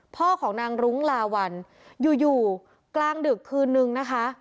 พ่อของนางรุ้งลาวัลอยู่อยู่กลางดึกคืนนึงนะคะ